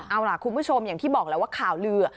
เอาล่ะคุณผู้ชมอย่างที่บอกแล้วว่าข่าวลือ